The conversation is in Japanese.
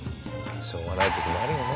しょうがない時もあるよね。